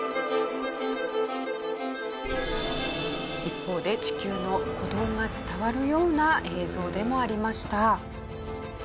一方で地球の鼓動が伝わるような映像でもありました。